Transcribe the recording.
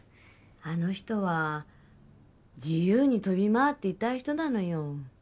あの人は自由に飛び回っていたい人なのよ。